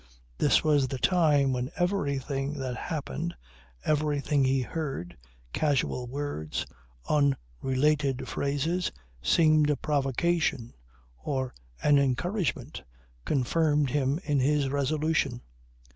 This was the time when everything that happened, everything he heard, casual words, unrelated phrases, seemed a provocation or an encouragement, confirmed him in his resolution.